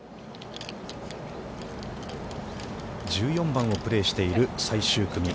１４番をプレーしている、最終組。